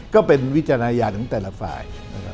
ก็เป็นวิจารณาอย่างแต่ละฝ่าย